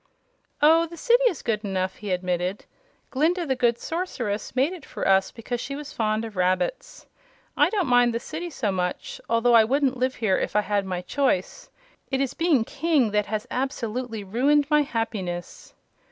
"Oh, the city is good enough," he admitted. "Glinda, the Good Sorceress, made it for us because she was fond of rabbits. I don't mind the City so much, although I wouldn't live here if I had my choice. It is being King that has absolutely ruined my happiness."